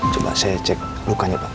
coba saya cek lukanya pak